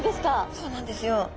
そうなんですよ。